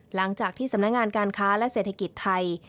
หลังจากที่สำนักงานการค้าและเศรษฐกิจไทย